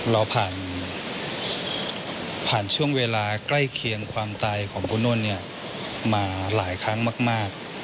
เราผ่านช่วงเวลาใกล้เคียงความตายของผู้นวลมาหลายครั้งมาก